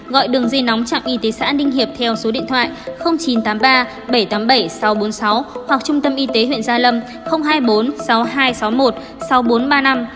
gọi đường dây nóng trạm y tế xã ninh hiệp theo số điện thoại chín trăm tám mươi ba bảy trăm tám mươi bảy sáu trăm bốn mươi sáu hoặc trung tâm y tế huyện gia lâm hai mươi bốn sáu nghìn hai trăm sáu mươi một sau bốn trăm ba mươi năm